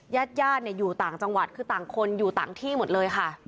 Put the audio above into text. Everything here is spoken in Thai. ญาติญาติอยู่ต่างจังหวัดคือต่างคนอยู่ต่างที่หมดเลยค่ะ